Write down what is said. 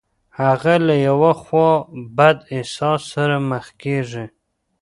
هغه له يوه خورا بد احساس سره مخ کېږي.